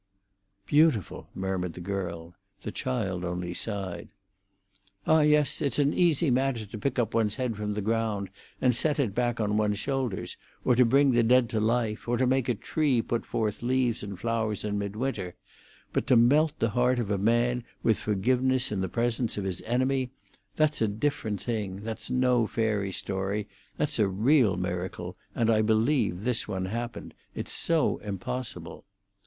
"Beautiful!" murmured the girl; the child only sighed. "Ah, yes; it's an easy matter to pick up one's head from the ground, and set it back on one's shoulders, or to bring the dead to life, or to make a tree put forth leaves and flowers in midwinter; but to melt the heart of a man with forgiveness in the presence of his enemy—that's a different thing; that's no fairy story; that's a real miracle; and I believe this one happened—it's so impossible."